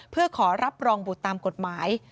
เพื่อขอรับรองบุตรตามกฎหมาย